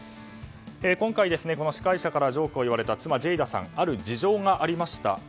今回、司会者からジョークを言われた妻のジェイダさんある事情がありました。